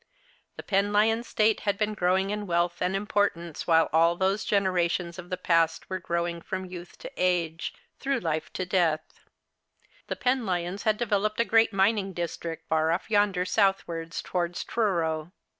The Penlyon estate had been growing in wealth and importance while all those generations of the past were growing from youth to age, through life to death. The Penlvons had developed a great mining district, far off yonder southward towards Truro.